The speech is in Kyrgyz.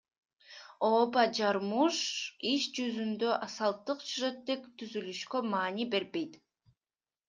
Ооба, Жармуш иш жүзүндө салттык сюжеттик түзүлүшкө маани бербейт.